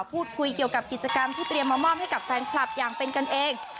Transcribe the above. พูดคุยเกี่ยวกับกิจกรรมที่เตรียมมามอบให้กับแฟนคลับอย่างเป็นกันเอง